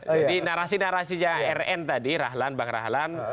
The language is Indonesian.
jadi narasi narasinya rn tadi rahlan bang rahlan